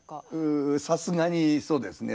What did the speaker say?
さすがにそうですね。